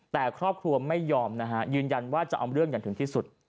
แต่ครอบครัวไม่ยอมนะฮะยืนยันว่าจะเอาเรื่องอย่างถึงที่สุด